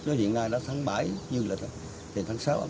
nó hiện nay đã sáng bái như là trên tháng sáu